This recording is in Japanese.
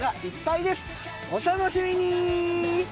お楽しみに！